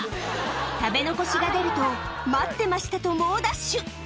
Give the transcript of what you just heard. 食べ残しが出ると、待ってましたと猛ダッシュ。